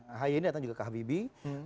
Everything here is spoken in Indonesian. a h ini datang juga ke habibie